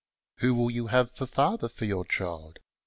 Who will you have for father for your child.